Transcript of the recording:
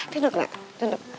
tidur nek duduk